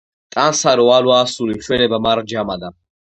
ტანსარო, ალვა ასული, მშვენება მარად ჟამადა